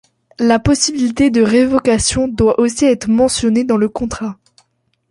La possibilité de révocation doit aussi être mentionnée dans le contrat.